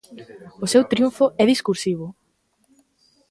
O seu triunfo é discursivo.